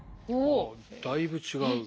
あだいぶ違う。